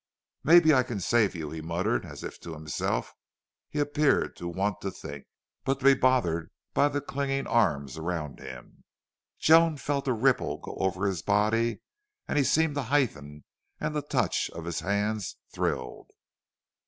"Maybe I can save you," he muttered, as if to himself. He appeared to want to think, but to be bothered by the clinging arms around him. Joan felt a ripple go over his body and he seemed to heighten, and the touch of his hands thrilled.